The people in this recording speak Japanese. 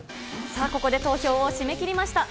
さあ、ここで投票を締め切りました。